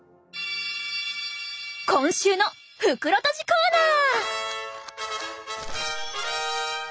今週の袋とじコーナー！